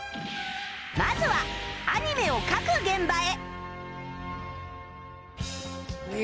まずはアニメを描く現場へ